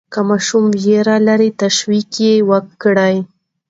که ماشوم ویره لري، تشویق یې وکړئ.